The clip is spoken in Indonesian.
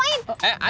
gak kena ketemu kan